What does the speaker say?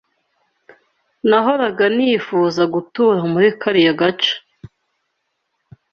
Nahoraga nifuza gutura muri kariya gace.